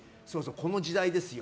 この時代ですよ。